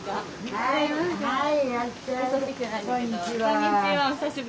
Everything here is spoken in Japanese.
はい。